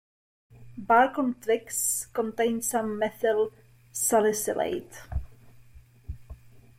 Bark on twigs contains some methyl salicylate.